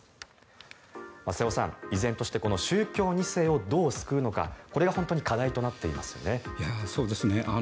瀬尾さん、依然として宗教２世をどう救うのかこれが本当に課題となっていますよね。